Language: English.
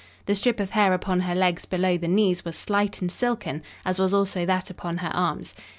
The strip of hair upon her legs below the knees was slight and silken, as was also that upon her arms.